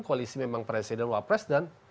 koalisi memang presiden wapres dan